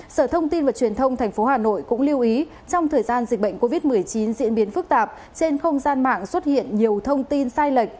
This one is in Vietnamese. sở thông tin và truyền thông tp hà nội cũng lưu ý trong thời gian dịch bệnh covid một mươi chín diễn biến phức tạp trên không gian mạng xuất hiện nhiều thông tin sai lệch